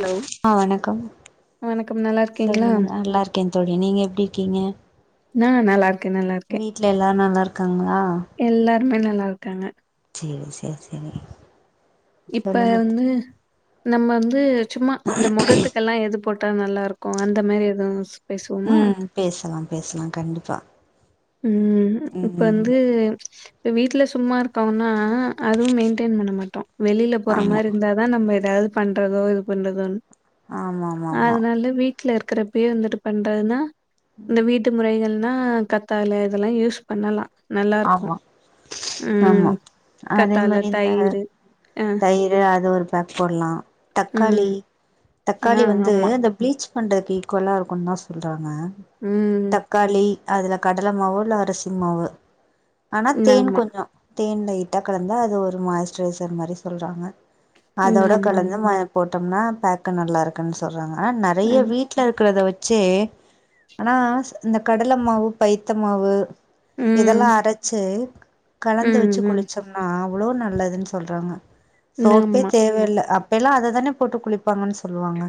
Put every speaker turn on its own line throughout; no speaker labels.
Hello
ஆ வணக்கம்
வணக்கம் நல்லா இருக்
சொல்லுங்க நா நல்லாருக்கே தோழி நீங்க எப்டி இருக்கீங்க
நா நல்லாருக்கே நல்லாருக்கே
வீட்ல எல்லாரு நல்லாருக்காங்க்ளா
எல்லாருமே நல்லா இருக்காங்க
சேரி சேரி சேரி
இப்ப
சொல்லுங்க
வந்து நம்ம வந்து சும்மா இந்த முகத்துக்கெல்லா எது போட்டா நல்லா இருக் கு அந்த மாரி எது
ம் பேசலா பேசலா கண்டிப்பா
ம் இப்ப வந்து இப்ப வீட்ல சும்மா இருக்கோனா அதுவு மெயின்டெய்ன் பண்ண மாட்டோ வெளில போற
ஆமா
மாரிருந்தா நம்ப ஏதாது பண்றதோ இது பண்றதோனு
ஆமா ஆமா ஆமா
அதனால வீட் ல இருக்கிறப்யே வந்துட்டு பண்றதுன்னா இந்த வீட்டு முறைகள்னா கத் த்தாழ இதெல்லா யூஸ் பண்ணலா நல்லாருக்கு
ஆமா
ம்
ஆமா அதே
கத்தாழ
மாரி இந்த
தயிரு அ
தயிரு அது ஒரு பேக் போடுலா
ம்
தக்காளி
ஆ
தக்காளி வந்து
ஆமா
இந்த பிளீச் பண்றதுக்கு ஈக்குவலா இருக்குந்தா சொல்றாங்க
ம்
தக்காளி அதுல கடலமாவு இல்ல அரிசிமாவு ஆனா தேன்
ஆமா
கொஞ்சொ தேன் லைட்டா கலந்தா அது ஒரு மாஸ்ரைசர் மாரி சொல்றாங்க அதோட
ஆமா
கலந்து
ஆமா
ம போட்டோனா பேக்கு நல்லா இருக்குன்னு சொல்றாங்க ஆனா நெறைய
அது
வீட் ட்ல இருக்றத வச்சே ஆனா இந்த கடலமாவு பைத்தமாவு
ம்
இதெல்லா அரைச்சு கலந்து
ம்
வச்சு
ம்
குளிச்சோனா அவ்ளோ நல்லதுன்னு சொல்றாங்க சோப்பே
ஆமா
தேவெல்ல அப்பெல்லா அததானே போட்டு குளிப் ப்பாங்கன்னு சொல்லுவாங்க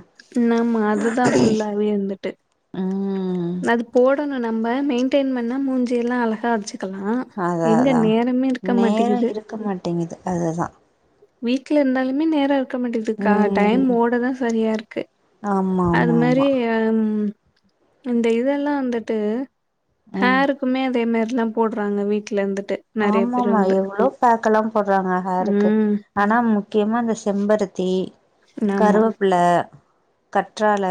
ஆமா அதுதா ஃபுல்லாவே இருந்துட்டு
ம்
அது போடணு நம்ப மெயின்டெயின் பண்ணா மூஞ்சியெல்லா அழகா வச்சிக்கலா
அதா அதா நேரொ இருக்க மாட்டேங்குது அதுதா
வீட்ல இருந்தாலுமே நேரொ இருக்க மாட்டேதுக்கா டைம்
ம்
ஓட தா சரியா இருக்கு
ஆமா
அது
ஆமா
மேரி
ஆமா
இந்த இதெல்லா வந்துட்டு
ம்
ஹேரு க்குமே அதே மாரிலா போடுறாங்க வீட்ல இருந்துட்டு நெறைய பேர்
ஆமாமா
வந்து
எவ்வளோ பேக்கெல்லா போட்றாங்க ஹேருக்கு
ம்
ஆனா முக்கியமா இந்த செம்பருத்தி
ஆமா
கருவப்புல்ல கற்றாழ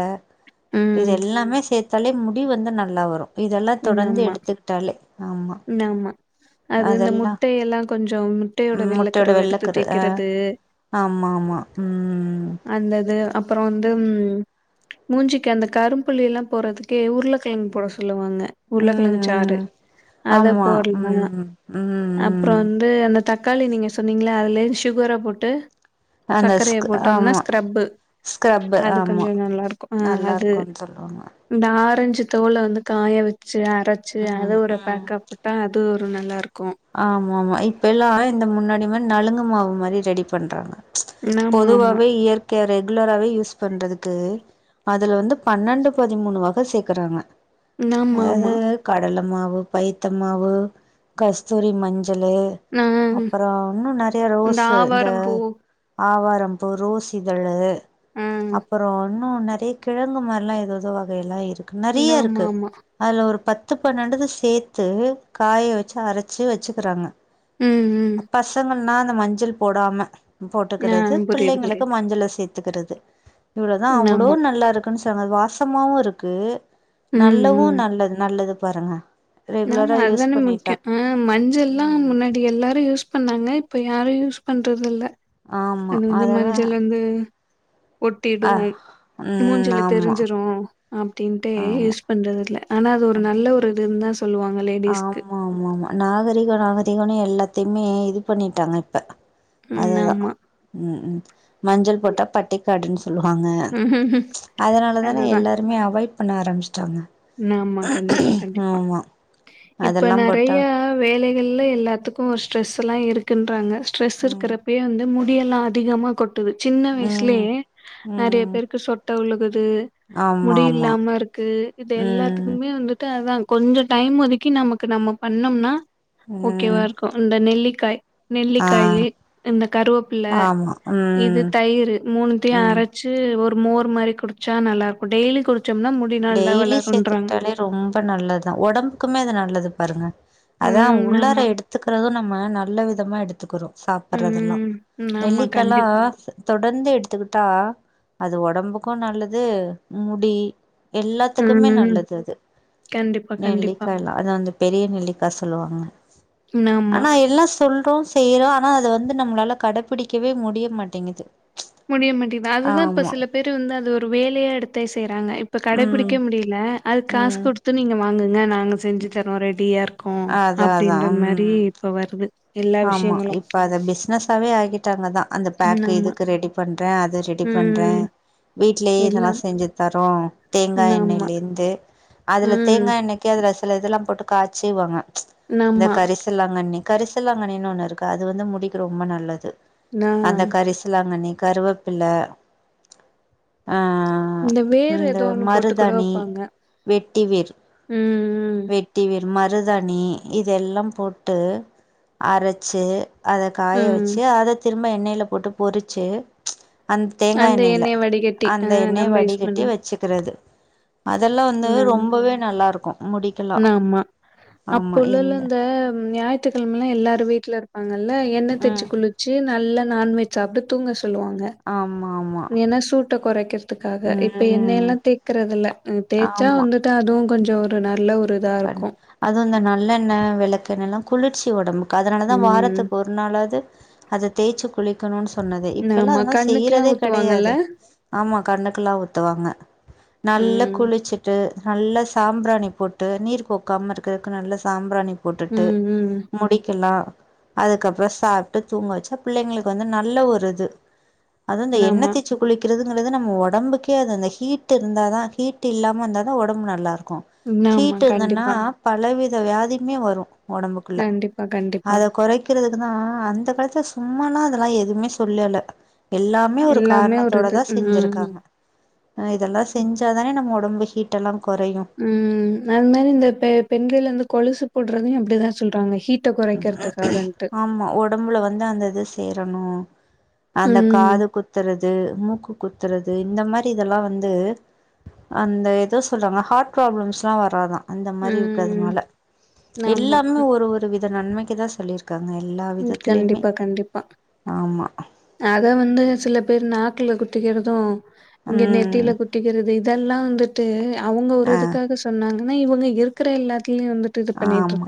இது
ம்
எல்லாமே சேத்தாலே முடி வந்து நல்லா வரு இதெல்லா தொடர்ந்து எடுத்துக்கிட்டாலே ஆமா
நாமா அது இந்த
அதெல்லா
முட்டையெல்லா கொஞ்சோ முட்டயோட
ம் முட்டையோட
வெள்ளக்கருவ எடுத்து
வெள்ளக்கரு ஆ
தேக்கிறது
ஆமா ஆமா ம்
அந்த இது அப்பறோ வந்து ம் மூஞ்சிக்கு அந்த கரும்புள்ளிலா போறதுக்கு ஊருளக் டையும் போட சொல்லுவாங்க
ம்
உருளக்கெழங்கு சாரு
ம்
அத
ஆமா
போட்லா
ம் ம்
அப்பறோ
ம்
வந்து அந்த தக் காளி நீங்க சொன்னீங்ள அதுலே சுகர போட்டு
அந்த
சக்கரைய
ஸ்க்
போட்டோம்னா
ஆமா
ஸ்க்ரப்பு
ஸ்க்ரப்பு
அது கொஞ்ச
ஆமா
நல்லாருக்கு ஆ
நல்லா
அது
இருக்குன்னு சொல்லுவாங்க
இந்த ஆரஞ்சு தோல்ல வந்து காய்யவச்சு அரச்சு அது
ம்
ஒரு
ம்
பேக்கா போட்டா அது ஒரு நல்லா இருக்கு
ஆமா ஆமா இப்ப எல்லா இந்த முன்னாடி மார் நலுங்கு மாவு மாரி ரெடி பண்றாங்க
ஆமா ஆமா
பொதுவாவே இயற்கைய ரெகுலராவே யூஸ் பண்றதுக்கு அதுல வந்து பன்னெண்டு பதிமூனு வக சேக்கறாங்க
ஆமா
அதாவது
ஆமா
கடல்ல மாவு பைத்த மாவு கஸ்தூரி மஞ்சளு
ஆ
அப்பறோ இன்னு நறைய ரோஸ்சு இந்த
ஆவாரம் பூ
ஆவாரம்பூ ரோஸ் இதழ்ழு
ஆ
அப்புறோ இன்னு நெறைய கிழங்கு மாரில்லா எதோ எதோ வகை எல்லா இருக்கு நெறைய
ஆமா
இருக்கு
ஆமா
அதுல ஒரு பத்து பன்னெண்டுதா சேத்து காய வெச்சு அரச்சு வச்சுக்கிறாங்க
ம்
பசங்கனா அந்த மஞ்சள் போடாம
ம் ஆ
போட்டுக்கிறது
புரியுது
பிள்ளைங்களுக்கு
புரியுது
மஞ்சள்ல சேத் கத்துக்கிறது இவ்வளவுதா அவ்வளோ
ஆமா
நல்லா இருக்குன் சொன்னது வாசமாவு இருக்கு
ம்
நல்லவு நல்லது நல்லது பாருங்க
நாம
ரெகுலரா யூஸ்
அதுதானே
பண்ணிட்டா
முக்கிய ம் மஞ்சள்ல்லா
ம்
முன்னாடி எல்லாரு யூஸ் பண்ணாங்க இப்ப யாரு யூஸ் பண்றது இல்ல
ஆமா
அது வந்து
அதெல்லா
மஞ்சள் வந்து ஒட்டிடு
அ ம்
மூஞ்சில
ஆமா
தெரிஞ்சிரு அப்படின்ட்டு
ஆமா
யூஸ் பண்றது இல்ல ஆனா அது ஒரு நல்ல ஒரு இதுன்தா சொல்லுவாங்க லேடிஸ்க்கு
ஆமா ஆமா நாகரிக நாகரீகனே எல்லாத்தையுமே இது பண்ணிட்டாங்க இப்ப
ம்
அதுதா
ஆமா.
ம் ம் மஞ்சள் போட்டா பட்டிக்காடுன் சொல்லுவாங்க அதனால தானே எல்லாருமே அவாய்ட் பண்ண ஆரம்ச்ட்டாங்க
மாமாங் கண்டிப்பா கண்டிப்பா இப்ப
அதெல்லா போட்டா
நெறைய வேலைகள்ல எல்லாத்துக்கு ஒரு ஸ்ட்ரெஸ் எல்லா இருக்குன்றாங்க ஸ்ட்ரெஸ்
ம்
இருக்கிறப்பே வந்து மு டி எல்லா அதிகமா கொட்டுது சின்ன
ம்
வயசுலியே நெறைய
ம்
பேருக்கு சொட்ட விழுகுது
ஆமா
முடி
ஆமா
இல்லாம இருக்கு பட்
ம்
எல்லாத்துக்குமே வந்துட்டு அதா கொஞ்ச டைம் ஒதுக்கி நமக்கு நம்ம பண்ணோம்னா ஓகேவா
ம்
இருக்கு இந்த நெல்லிக்காய்
ஆ
நெல்லிக்காய்யு இந்த கருவோப்பிள்ள
ஆமா
இது
ம்
தயிரு மூனுத்தையு அர
ம்
ச்சு ஒரு மோரு மாரி குடிச்சா நல்லா இருக்கு டெய்லி குடிச்சோம்னா முடி நல்
டெய்லி சேத்துக்ட்டாலே ரொம்ப நல்லதுதா ஒடம்புக்குமே அது நல்லது பாருங்க அதா
ம்
உள்ளார
ஆமா
எடுத் துக்கறது நம்ம நல்ல விதமா எடுத்துக்கிறோ சாப்பற்றது எல்லா
ம் ஆமா
நெல்லிக்கால்லா
கண்டிப்பா
தொடர்ந்து எடுத்துக்கிட்டா அது ஒடம்புக்கு நல்லது முடி எல்லாத்துக்குமே
ம்
நல்லது அது
கண்டிப்பா கண்டிப்பா
நெல்லிக்கா எல்லா அது அந்து பெரியநெல்லிக்கா சொல்லுவாங்க
ஆமா
ஆனா எல்லா ஸ் சொல்றோ செய்றோ ஆனா அதுவந்து நம்ளால கடபிடிக்கவே முடிய மாட்டேங்குது
முடிய மாட்டிது அதுதா இப்ப
ஆமா
சில பேரு வந்து அது ஒரு வேலையா எடுத்தெ செய்றாங்க இப்ப
ம்
கடைபிடிக்க முடியி ல அது காசு
ம்
குடுத்து நீங்க வாங்குங்க நாங்க செஞ்சு தரோ ரெடியா இர் கூ
அதா
அப்டின்ற மாரி இப்ப வருது எல்லா
ஆம்மா
விஷயங்களும்.
இப்ப அத பிஸனஸ்ஸாவே ஆகிட்டாங்கதா அந்த
ம்
பேக்கு
ஆமா.
இதுக்கு ரெடி பண்ற அது ரெடி பண்ற
ம்.
வீட்லே இதுலா
எல்லாம்.
செஞ்சு தரோ தேங்கா
ம் ஆமா.
எண்ணெய்லேர்ந்து அதுல
ம்.
தேங்கா எண்ணெக் க்கு அதுல சில இதுல்லா போட்டு காய்ச்சி வாங்க இந்த
ஆமா.
கரிசில்லாங்கன்னி கரிஸ் கரிசில்லாங்கன்னின்னு ஒண்ணுருக்கு அது வந்து முடீக்கு ரொம்ப நல்லது
நா
அந்த கரிசலாங்கன்னி கருவப் பில்ல அ அ
இந்த வேர்
இந்த
ஏதோ ஒண்ணு போட்டு கூட
மருதாணி
வப்பாங்க.
வெட்டிவேர்
ம்.
வெட் டிவேர் மருதாணி இதெல்லாம்போட்டு அரச்சு
ம்.
அதகாய
ம்.
வெச்சு அத திரும்ப எண்ணெய்ல போட்டுபொறிச்சு அந் தேங்கா
அந்த
எண்ணெய்ல
எண்ணெய வடிகட்டி. ஆ
அந்த எண்ணெய
நம்ம யூஸ்
வடிகட்டி
பண்ண
வச்சுக்குறது அதெல்லா வந்து ரொம்பவே நல்லாருக்கு முடிக்
நம்மா அப்பஉள்லல அந்த ஞாயிற்றுக்கிழமெல்லா எல்லாரு வீட்லரு பாங்கல்ல எண்ணெ தேச்சு
ம்
குளிச்சு நல்லா நான்வெஜ் சாப்ட்டு தூங்க சொல்லுவாங்க
ஆம்மா ஆம்மா
ஏன்னா சூட்ட குறைக்கிற்துக்காக இப்ப எண்ணயெல்லா
ம்
தேக்கறதுல்ல ம் தேச்சா
ஆமா
வந்துட் டு அதுவு கொஞ்சொ ஒரு நல்ல ஒரு இதா
கன்
இருக்கு
அதுவு ந்த நல்லெண்ண வெளக்கெண்ணல்லா குளிர்ச்சி ஒடம்புக்கு அதனாலதா
ம்
வாரத்துக் ஒருநாளாது அது தேய்ச்சு குளிக்கணுன் சொன்னதே இப்பல்லா
ஆமா
அதெல்லா
கண்ணுக்குல்லா
செய்றதே
ஊத்துவாங்கல்ல
கெடையாதெ ஆம்மா கண்ணுக்குல்லா ஊத்துவாங்க நல்ல
ம்
குளிச்சிட்டு நல்ல சாம்ப்ராணி போட் ட்டு நீர் கோக்காம இருக்கருக்கு நல்ல சாம்ப்ராணி போட்டுட்டு
ம் ம்
முடிக்குல்லா அதுக்கப்ற சாப்ட்டு தூங்க வச்சா புள்ளைங்களுக்கு வந்து நல்ல ஒருது அதுவு இந்த எண்ண
ஆமா
தேச்சு குளிக்கிறதுங்கறது நம்ம ஒடம்புக்கே அது அந்த ஹீட்டுஇருந்தா தா ஹீட் இல்லாம இந்தாதா ஒடம்பு நல்லார்க்கு
ஆமா
ஹீட்டு இந்துன்னா
கண்டிப்பா
பலவித வியாதிமே வரு ஒடம்புக்குள்ள
கண்டிப்பா கண்டிப்பா
அத கொறக்கிறதுன்னா அந்த காலத்துல சும்மால்லா அதெல்லா எதுவுமே சொல்லல எல்லாமே ஒரு
எல்லாமே ஒரு
கார்ணத்தோட
இது
தா
ம்
செஞ்சிருக்காங்க ம் இதெல்லா செஞ்சா தானே நம்ம ஒடம்பு ஹீட்டெல்லா கொறையு
ம் அது மேரி இந்த பெ பெண்கள் அந்து கொலுசு போட்றதியு அப்டிதா சொல்றாங்க ஹீட் ட்ட கொறைக்கிறதுக்காகன்ட்டு
ஆமா ஒடம்புல வந்து அந்த இது சேரணு அந்த
ம்
காது குத் குத்துறது மூக்கு குத்துறது இந்த மாரி இதல்லா வந்து அந்த எதோ சொல்றாங்க ஹார்ட் ப்ராப்ளம்ஸ்ல்லா வராதா அந்த மாரி
ம்.
இருக்கறதுனால
ஆமா.
எல்லாமே ஒரு ஒரு வித நன்மைக்குதா சொல்லிர்க் க்காங்க
ம்.
எல்லாவிதத்திலியுமே
கண்டிப்பா, கண்டிப்பா.
ஆம்மா
அத வந்து சில பேர் நாக்குல குத்திக்கிறது இங்க நெத்தில
ம்
குத் திக்கிறது இதெல்லா வந்துட்டு அவுங்க ஒரு இதுக்காக சொன்னாங்கன்னா இவுங்க இருக்குற எல்லாத்துயு வந்துட்
ஆம்மா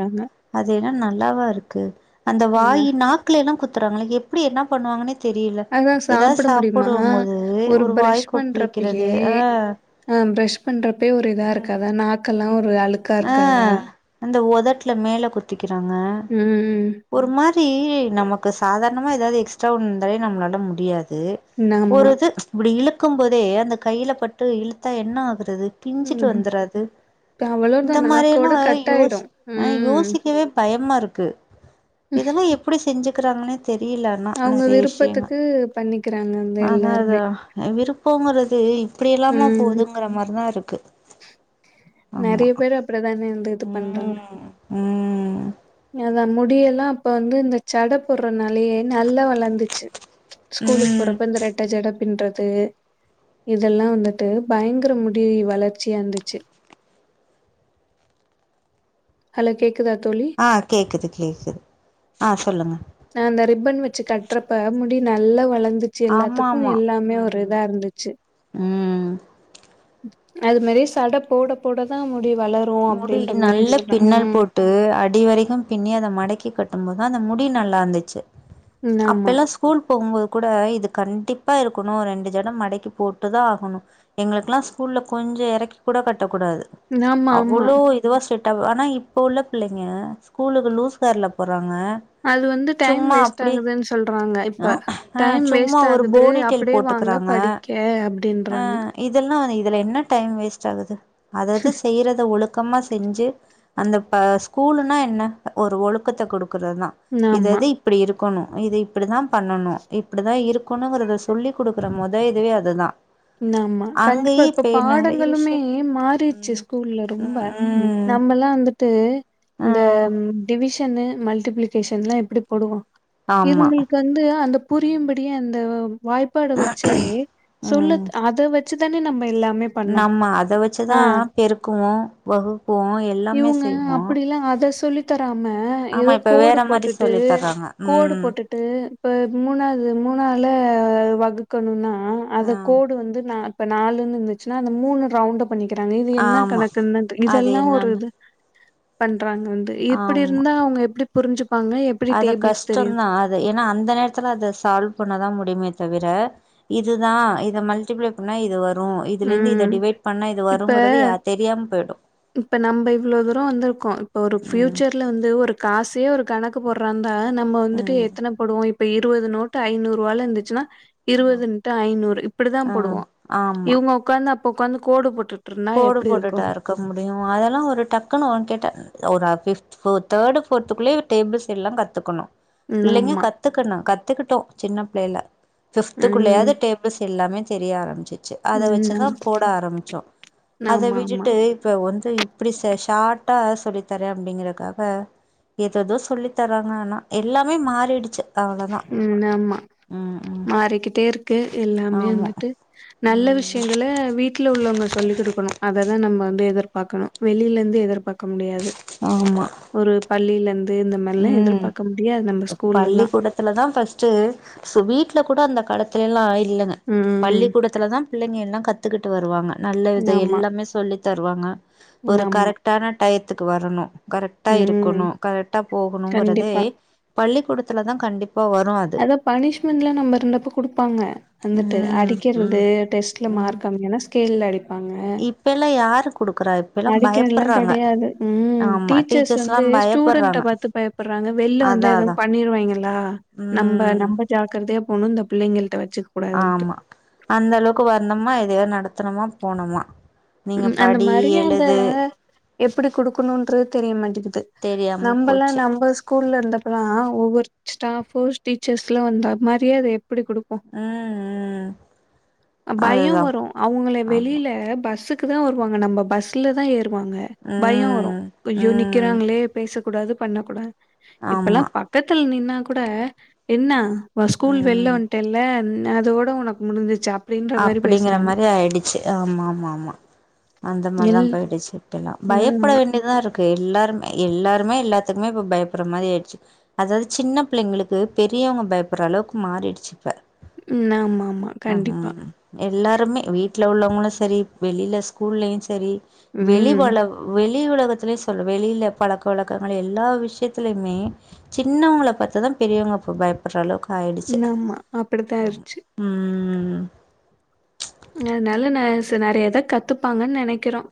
அது என்னா நல்லாவாருக்கு அந்த
ம்.
வாயி நாக் லெல்லா குத்துறாங்க எப்டி என்ன பண்ணுவாங்கன்னெ தெரியில
அதான்
ஏதாவ்
சாப்பிட முடியுமா?
சாப்புடும்மோது ஒரு வாய் கொப்புளிக்கிறது அ
ஆ பிரரஷ் பண்றப்பே ஒரு இதா இருக்காத நாக்கல்லா ஒரு அழுக்
ஆ அந்த ஒதட்ல மேல குத்திக்கிறாங்க
ம் ம்
ஒரு மாரி நமக்கு சாதாரணமா எதாவது எக்ஸ்ட்ரா ஒன்னு இருந்தாலே நம்மளால முடியாது
ஆமா.
ஒரு இது இப்டி இழுக்கும் போதே அந்த கையில பட்டு இழுத்தா என்ன ஆகுறது பிஞ்சிட்டு
ம்.
வந்துறாது இந்த
அவ்வளோதான்
மாரி எல்லா
நாக்கோட கட்
யோஸ்
ஆயிடும்.
அ
ம்.
யோசிக்கவே பயமா இருக்கு இதெல்லா எப்பிடி செஞ்சிக்கிறாங்கன்னே தெரியல அனா
அவங்க
நெறைய விஷ்யங்க
விருப்பத்துக்கு பண்ணிக்கிறாங்க வந்து
அதா
எல்லாருமே.
அதா அ விருப்பங்குறது இப்பிடியல்லாம
ம்
போதுங்குற மாரிதா இருக்கு ஆமா
நெறைய பேரு அப்டிதானே இருந்து இது பண்றாங்க
ம் ம்
அதா முடியெல்லா அப்ப வந்து இந்த சட போடுற நாலையே நல்லா வளந்துச்சு ஸ்கூலுக்கு
ம்
போறப்ப இந்த ரெட் ட்ட ஜட பின்றது இதெல்லா வந்துட்டு பயங்கர முடி வளர்ச்சியா இருந்துச்சு ஹலோ கேக்குதா தோழி
ஆ கேட்குது கேட்குது ஆ சொல்லுங்க
நா அந்த ரிப்பன் வச்சு கட்றப்ப முடி நல்லா வளந்து ச்சி
ஆமா
எல்லாத்துக்கு
ஆமா
எல்லாமே ஒரு
ம்
இதா இருந்துச்சு
ம்
அது மாரி சட போட போட தா முடி வள
முடி நல்லா பின்னல் போட் டு அடிவரைக்கு பின்னி அத மடக்கி கட்டும் போது தா அந்த முடி நல்லா இருந்துச்சு
ஆமா
அப்பெல்லா ஸ் கூல் போகும்போது கூட இது கண்டிப்பா இருக்கனு ரெண்டு ஜட மடக்கி போட்டு தா ஆகணு எங்களுக்குலா ஸ்கூல்ல கொஞ்ச எறக்கி கூட கட்டக்கூடாது
ஆமா ஆமா
அவ்வளோ இதுவா ஸ்ரிட்டா ஆ ஆனா இப்ப உள்ள பிள்ளைங்க ஸ்கூலுக்கு லூஸ் ஹேர்ல போறாங்க
அது வந்து டைம்
சும்மா
வேஸ்ட்
அப்டி
ஆகுதுன்னு சொல்றாங்க இப்ப
ஆ
டைம்
சும்மா
வேஸ்ட்
ஒரு
ஆகுது
போனிடெயில்
அப்டியே வாங்க
போட்டுக்குறாங்க
படி க்க
ஆ
அப்டின்றாங்க
இதெல்லா இதுல என்ன டைம் வேஸ்ட் ஆகுது அதது அந்த ஒழுக்கமா செஞ்சி அந்த ப ஸ்கூலுனா என்ன ஒரு ஒழுக்கத்தை குடுக்குறது தா இது
ஆமா
அது இப்பிடி இருக்கணு இது இப்பிடிதா பண்ணணு இப்பிடிதா இருக்கணுங்கிறத சொல்லி் குடுக்குற மொத இதுவே அதுதா
ஆமா கண்டிப்பா
அங்கயே
இப்ப
நெறைய
பாடங்களுமே
விஷய
மாறிச்சி ஸ்கூல்ல ரொம்ப
ம்
நம்மலா வந்து ட்டு
ஆ
இந்த டிவிஷனு மல்டிப்ளிகேஷன்ல்லா எப்டி போடுவோ டு
ஆமா
இவுங்களுக்கு வந்து அந்த புரியும்படியே அந்த வ வாய்பாட வச்சே சொல்ல
ம்
அதவ ச்சி தானே நம்ப எல்லாமே
நம்ம அத வச்சிதா
ஆ
பெருக்குவோ வகுப்போ எல்லாமே செய்வோ
அப்டில்லா அத சொல்லி தராம
ஆமா
எதோ
இப்ப
கோடு
வேற மாரி
போட்டுட்டு
சொல்லி தர்றாங்க
கோடு
ம்
போட்டு ட்டு இப்ப மூணாது மூணால வகுக்கணுனா அத
ஆ
கோடு வந்து நா இப்ப நாலுனு இருந்துச்சினா அந்த மூண ரவுண்டப் பண்ணிகிறாங்க இது என்ன
ஆமா
கணக்குனு தெ
அது
இதெல்லா ஒரு
என்னன்னு
இது பண்றாங்க வந்து இப்டி
ஆமா
இருந்தா அவுங்க எப்டி புரிஞ்சிபாங்க எப்டி
அது கஷ்டந்தா அது ஏனா அந்த நேரத்துல அது சால் பண்ணதா முடியுமே தவிர இதுதா இத மல்டிபிளை பண்ணா இது வரு ம் இதுல இருந்து இத
ம்.
டிவைட் பண்ணா இது வரும்ங்குறது
இப்ப
யா தெரியாம போயிடு
இப்ப நம்ப இவ்ளோ தூரம் வந்துருக்கோ இப்ப ஒரு
ம்
பியூச்சர்ல வந்து ஒரு காசே ஒரு கணக் கு போறாந்தா நம்ம வந்துட்டு
ம்
எத்தன போடுவோ இப்ப இருவது நோட்டு ஐநூரூவால இருந்துச்சினா இருவது இன்ட்டு ஐநூறு இப்டி தா
ஆ
போடுவோ
ஆமா
இவுங்க உக்காந்து அப்ப உக்காந்து கோடு போட்டு
கோடு போட்டுட்டா இருக்க முடியும் அதெல்லா ஒரு டக்குன்னு அவன் கிட்ட ஒரு அட்லீஸ்ட் தேர்டு ஃபோர்த்து குள்ளயே டேபிள்ஸ் எல்லா கத்துகணு
ம்
பிள்ளைங்க
ஆமா.
கத்துகணு கத்துகிட்டோ சின்ன பிள்ளைல
ம்.
ஃபிப்துகுள்ளயாவ்து டே பில்ஸ் எல்லாமே தெரிய ஆரம்பிச்சிச்சி அத
ம்.
வச்சி தா
ஆம்.
போட ஆரம்பிச்சோ அத
ஆமாமா.
விட்டுட்டு இப்ப வந்து இப்டி சாட்டா சொல்லி தரே அப்டிங்கறக்காக ஏதேதோ சொல்லி தராங்க ஆனா எல்லாமே மாறிடுச்சி
ம் ஆமா
ம்
மாறிகிட்டே இருக்கு எல்லாமே
ஆமா
வந்துட்டு நல்ல
ம்
விஷயங்கள வீட் வீட்ல உள்ளவங்க சொல்லி் குடுக்கணு அததா நம்ம வந்து எதிர்பாக்கணு வெளில இருந்து எதிர்பாக்க முடியாது
ஆமா
ஒரு பள்ளிலந்து இந்த மாரில்லா எதிர்பாக்க முடியாது நம்ப ஸ்கூல்லல்லா
க்குலா தா ஃபர்ஸ்ட்டு ஸோ வீட்ல கூட அந்த காலத்துலலா இல்லங்க
ம்.
பள்ளிக்கூடத்துல தா பிள்ளைங்க எல்லா கத்துகிட்டு வருவாங்க நல்லது
ஆமா,
எல்லாமே சொல்லி தருவாங்க ஒரு
ஆமா.
கரெக்ட்டான டயத்துக்கு வரணு கரெக்ட்டா
ம்.
இருக்கணு கரெட் போகணுங்கறதே
கண்டிப்பா.
பள்ளிகூடத்துல தா கண்டிப்பா வரும் அது
அதா பனிஷ்மெண்ட்ல்லா நம்ம இருந்தப்ப குடுப்பாங்க வந்துட்டு
ம் ம்
அடிக்கிறது டெஸ்ட்ல மார்க் கம்மியானா ஸ்கேல்ல அடிப்பாங்க
இப்பெல்லா யாரு குடுக்குறா இப்
அடிக்கற்தில்லா கெடயாது ம்
ஆமா
டீச்சர்ஸ்
டீச்சர்ஸ்லா
வந்து ஸ்டூடண்ட்ட
பயப்பட்றாங்க
பாத்து பயப் பறாங்க வெள்ல வந்தா
அதா அதா
எதுவும் பண்ணிருவாய்ங்களா நம்ப
ம்
நம்ப ஜாக்கிரதையா போணு இந்த பிள்ளைங்கள்ட்ட வச்சு
ஆமா அந்த அளவுக்கு வர்னோமா எதயோ நடத்தணுமா போனமா
அந்த மரியாத எப்பிடி குடுக்கணுன்ற தெரிய மாட்டிக்குது
தெரியாம
நம்பள்லா
போச்சு
நம்ப ஸ்கூல்ல இருந்தப்பலா ஒவ்வொரு ஸ்டாஃபு டீச்சர்ஸ்லா வந்தா மரியாத எப்பிடி குடுக்
ம் ம்
பயம்
அதுதா
வரு அவுங்ள
ஆமா
வெளியில பஸ்ஸு க்குதா வருவாங்க நம்ப பஸ்ல தா ஏறுவாங்க பயம் வரு
ம்
அய்யோ நிக்
ம்
க்கிறாங்களே பேசக்கூடாது பண்ணக்கூடாது இப்பல்லா
ஆமா
பக் பக்கத்ல நின்னா கூட என்ன நா ஸ்கூல் வெள்ல
ம்
வந்ட்டல அதோட உனக் முடிஞ்சிடுச்சா
அப்டிங்கற மாரி ஆயிடுச் சி ஆமா ஆமா ஆமா அந்த மாரி தா
எல்
போயிடுச் சுத்தமா பயப்பட
ஆமா
வேண்டிதாருக் கு எல்லாரும் எல்லாருமே எல்லாத்துக்குமே இப்போ பயப்பற மாரி ஆய்ட்ச்சு அதாவ்து சின்ன பிள்ளைங்களுக்கு பெரியவங்க பயப்பற அளவுக்கு மாறிடுச்சு இப்ப
ம் ஆமா ஆமா கண்டிப்பா
ம் எல்லாருமே வீட்ல உள்ளவங்களு சரி வெளில ஸ்கூல்லயு சரி
ம்
வெளிவளவு வெளி உலகத்தலயு சொல்ல வெளியில பழக்க வழக்கங்கள் எல்லா விஷயத்திலயுமே சின்னவங்கள பாத்துதா பெரியவங்க இப்ப பயப்பட்ற அளவுக்கு ஆய்டுச்சு
ஆமா அப்டித்தா ஆயிருச்சு
ம்
அதனால நா நெறைய தா கத்துப்பாங்கன் நெஞ்னைக்கிறோ